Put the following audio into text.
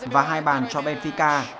và hai bàn cho benfica